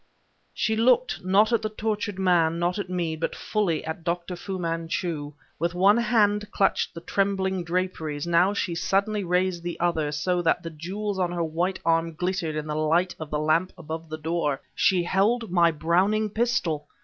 She looked, not at the tortured man, not at me, but fully at Dr. Fu Manchu. One hand clutched the trembling draperies; now she suddenly raised the other, so that the jewels on her white arm glittered in the light of the lamp above the door. She held my Browning pistol!